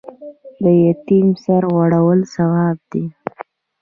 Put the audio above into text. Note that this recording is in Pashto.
د یتیم سر غوړول ثواب دی